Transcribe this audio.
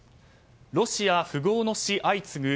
ロシア富豪の死、相次ぐ。